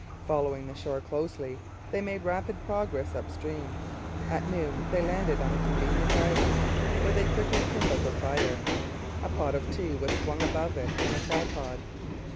Following the shore closely, they made rapid progress up stream. At noon they landed on a convenient island, where they quickly kindled a fire. A pot of tea was swung above it from a tripod.